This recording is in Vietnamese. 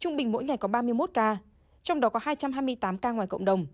trung bình mỗi ngày có ba mươi một ca trong đó có hai trăm hai mươi tám ca ngoài cộng đồng